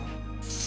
sama kamu sama mirna